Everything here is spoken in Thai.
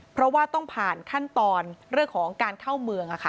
เพราะว่าต้องผ่านขั้นตอนเรื่องของการเข้าเมือง